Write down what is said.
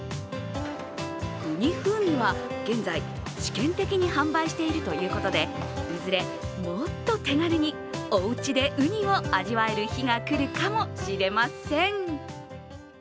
うに風味は現在、試験的に販売しているということで、いずれ、もっと手軽におうちでうにを味わえる日が来るかもしれません。